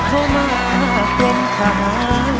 ต้องจากบ้านหน้าภูเกณฑ์เข้ามากล้มพา